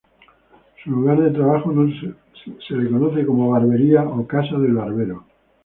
Su lugar de trabajo se le conoce como "Barbería" o "Casa del Barbero".